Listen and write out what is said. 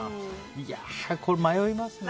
これ、迷いますね。